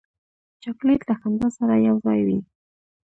چاکلېټ له خندا سره یو ځای وي.